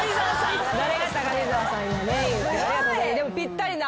でもぴったりな。